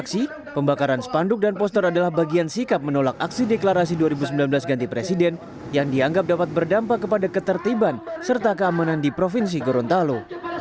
aksi pembakaran spanduk dan poster adalah bagian sikap menolak aksi deklarasi dua ribu sembilan belas ganti presiden yang dianggap dapat berdampak kepada ketertiban serta keamanan di provinsi gorontalo